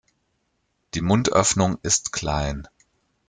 Die Mundöffnung ist klein.